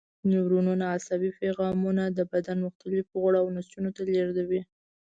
نیورونونه عصبي پیغامونه د بدن مختلفو غړو او نسجونو ته لېږدوي.